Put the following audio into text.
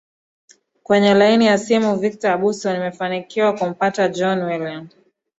aa kwenye laini ya simu victor abuso nimefanikiwa kumpata john william